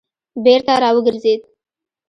بېرته را وګرځېد.